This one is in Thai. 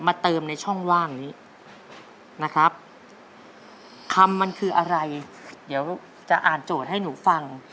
เติมในช่องว่างนี้นะครับคำมันคืออะไรเดี๋ยวจะอ่านโจทย์ให้หนูฟัง